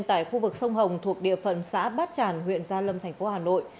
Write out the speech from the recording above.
tại khu vực sông hồng thuộc địa phận xã bát tràn huyện gia lâm thành phố hà nội